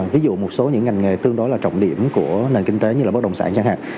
ví dụ một số những ngành nghề tương đối là trọng điểm của nền kinh tế như là bất động sản chẳng hạn